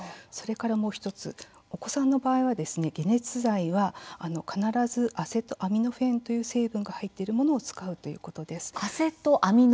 それからもう１つお子さんの場合は、解熱剤は必ずアセトアミノフェンという成分が入っているものを使うということです。